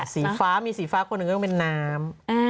สีฟ้ามีสีฟ้าคนหนึ่งก็ต้องเป็นน้ำ